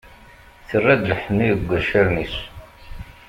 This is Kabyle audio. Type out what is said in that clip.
Terra-d lḥenni, deg wacaren-is.